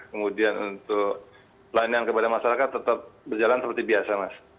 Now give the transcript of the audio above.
kemudian untuk pelayanan kepada masyarakat tetap berjalan seperti biasa mas